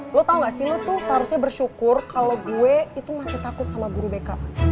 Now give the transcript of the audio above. lo tau gak sih lo tuh seharusnya bersyukur kalo gue masih takut sama guru backup